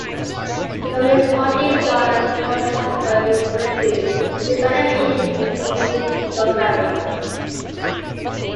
The Communist Party garnered support in particular communities, developing a unique geography.